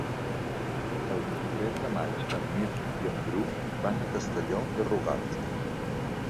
El vint-i-tres de maig en Mirt i en Bru van a Castelló de Rugat.